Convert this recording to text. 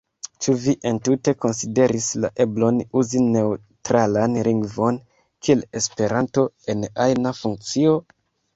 Ĉu vi entute konsideris la eblon uzi neŭtralan lingvon, kiel Esperanton, en ajna funkcio?